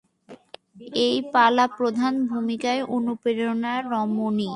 এই পালা প্রধান ভূমিকায় অনুপ্রেরণা রমণী।